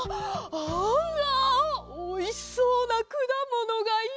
あらおいしそうなくだものがいっぱい。